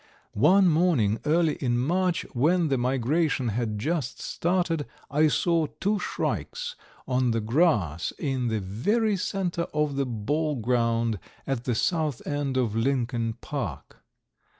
One morning early in March, when the migration had just started, I saw two shrikes on the grass in the very center of the ball ground at the south end of Lincoln Park.